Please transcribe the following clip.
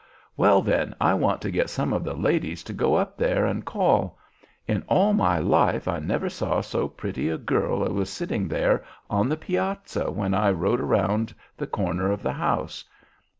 Well, then, I want to get some of the ladies to go up there and call. In all my life I never saw so pretty a girl as was sitting there on the piazza when I rode around the corner of the house.